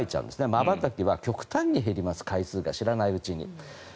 まばたきは極端に減ります回数が、知らないうちに。